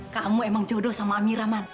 kamu emang jodoh sama amira man